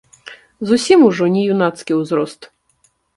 Зусім ужо не юнацкі ўзрост.